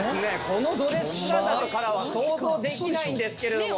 このドレス姿からは想像できないんですけれども。